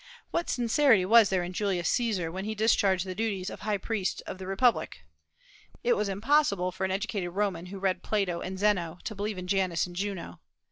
What sincerity was there in Julius Caesar when he discharged the duties of high priest of the Republic? It was impossible for an educated Roman who read Plato and Zeno to believe in Janus and Juno.